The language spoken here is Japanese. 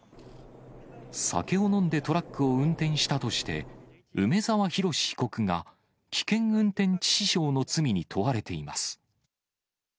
酒を飲んでトラックを運転したとして、梅沢洋被告が危険運転致死傷の罪に問われています。